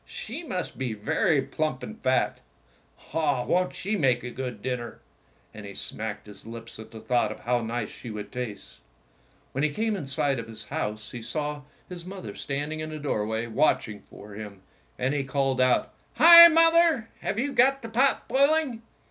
"'She must be very plump and fat. Ah, won't she make a good dinner !" And he smacked his lips at the thought of how nice she would taste. When he came in sight of his house he saw 6 Fairy Tale Foxes his mother standing in the doorway watch ing for him, and he called out, "Hi, mother! have you got the pot boiling?"